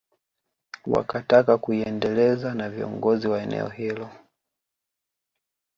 Wakataka kuiendeleza na viongozi wa eneo hilo